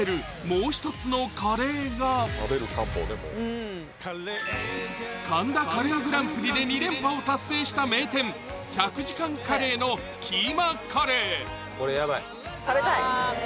もう一つのカレーが神田カレーグランプリで２連覇を達成した名店１００時間カレーのキーマカレー食べたい！